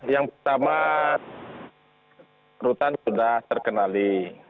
yang pertama rutan sudah terkenali